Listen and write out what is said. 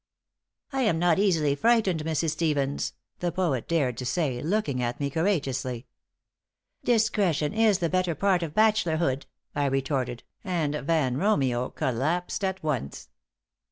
"I am not easily frightened, Mrs. Stevens," the poet dared to say, looking at me courageously. "Discretion is the better part of bachelorhood," I retorted, and Van Romeo collapsed at once.